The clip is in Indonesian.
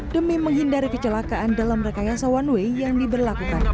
demi menghindari kecelakaan dalam rekayasa one way yang diberlakukan